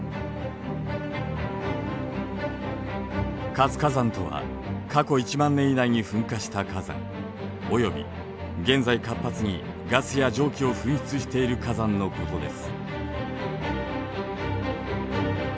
活火山とは過去１万年以内に噴火した火山および現在活発にガスや蒸気を噴出している火山のことです。